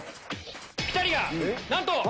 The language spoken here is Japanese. ピタリがなんと！